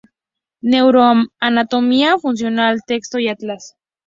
Neuroanatomía funcional: Texto y atlas.